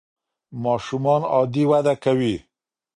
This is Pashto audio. ماشومان عادي وده کوي.